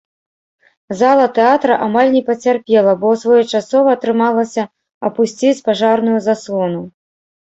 Зала тэатра амаль не пацярпела, бо своечасова атрымалася апусціць пажарную заслону.